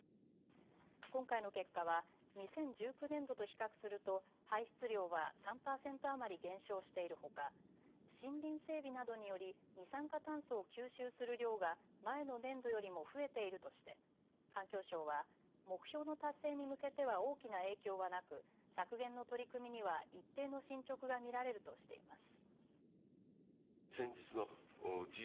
今回の結果は２０１９年度と比較すると排出量は３％余り減少しているほか森林整備などにより二酸化炭素を吸収する量が前の年度よりも増えているとして環境省は目標の達成に向けては大きな影響はなく削減の取り組みには一定の進捗が見られるとしています。